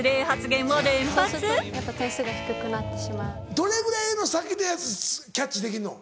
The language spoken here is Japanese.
どれぐらいの先のやつキャッチできんの？